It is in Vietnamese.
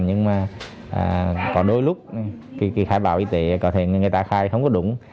nhưng mà có đôi lúc cái khai báo y tế có thể người ta khai không có đúng